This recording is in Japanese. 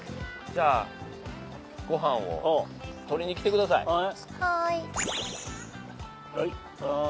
じゃあご飯を取りに来てください。